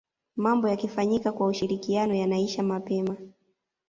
mambo yakifanyika kwa ushirikiano yanaisha mapema